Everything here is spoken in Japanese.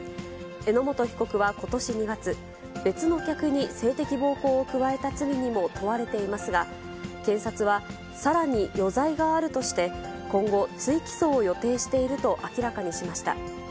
榎本被告はことし２月、別の客に性的暴行を加えた罪にも問われていますが、検察は、さらに余罪があるとして、今後、追起訴を予定していると明らかにしました。